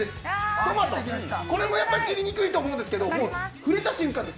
トマトも切りにくいと思うんですけどふれた瞬間です。